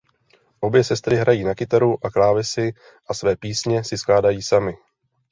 Obě sestry hrají na kytaru a klávesy a své písně si skládají samy.